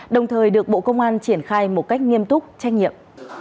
đồng thời được bộ công an triển khai một cách nghiêm túc trách nhiệm